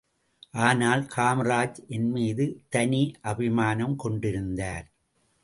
ஆனால் காமராஜ் என்மீது தனி அபிமானம் கொண்டிருந்தார்.